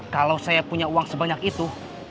kalau saya punya uang sebanyak itu